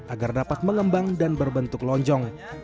agar dapat mengembang dan berbentuk lonjong